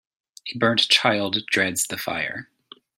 A burnt child dreads the fire.